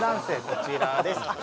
こちらですあっ